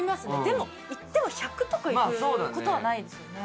でもいっても１００とかいく事はないですよね。